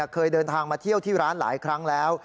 เคยเดินทางมาเที่ยวที่ร้านหลายครั้งแล้ว